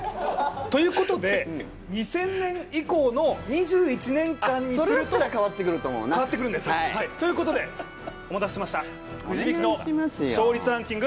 ということで２０００年以降の２１年間にするとそれだったら変わってくると思うな。ということでお待たせしましたくじ引きの勝率ランキング